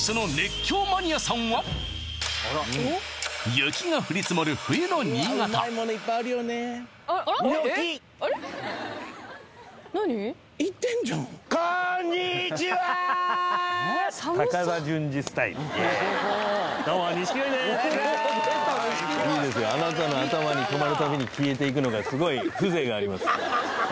雪が降り積もる冬の新潟あなたの頭に止まるたびに消えていくのがすごい風情があります